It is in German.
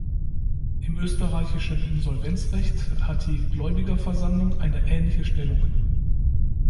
Im österreichischen Insolvenzrecht hat die Gläubigerversammlung eine ähnliche Stellung.